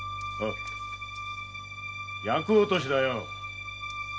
厄落としだよ。